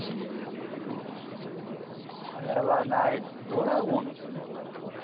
ドラゴンですもんだってこれ。